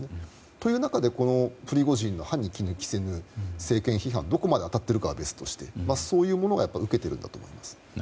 という中で、プリゴジンの歯に衣着せぬ政権批判はどこまで当たっているかは別としてそういうものが受けているんだと思います。